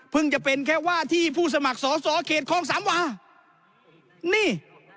จะเป็นแค่ว่าที่ผู้สมัครสอสอเขตคลองสามวานี่